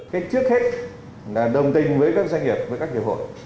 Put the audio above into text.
cái trước hết là đồng tình với các doanh nghiệp với các hiệp hội